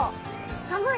寒い？